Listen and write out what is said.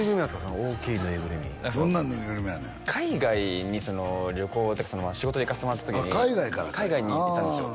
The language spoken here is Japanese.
その大きいぬいぐるみどんなぬいぐるみやねん海外に旅行っていうか仕事で行かせてもらった時に海外からかああ海外に行ってたんですよ